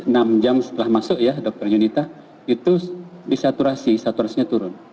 namun enam jam setelah masuk ya dokter yunita itu disaturasi saturasinya turun